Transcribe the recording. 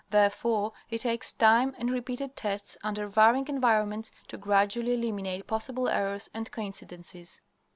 Therefore, it takes time and repeated tests under varying environments to gradually eliminate possible errors and coincidences.